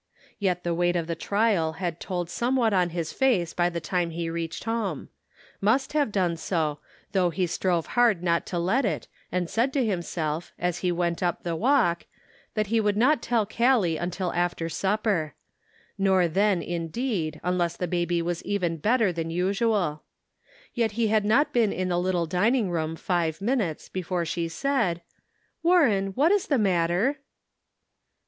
Yet the weight of the trial had told somewhat on his face by the time he reached home ; must have done so, though he strove hard not to let it, and said to himself, as he Measured by Trial. 343 went up the walk, that he would not tell Callie until after supper ; nor then, indeed, unless the baby was even better than usual. Yet he had not been in the little dining room five minutes before she said :" Warren, what is the matter